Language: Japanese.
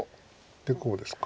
こうですか。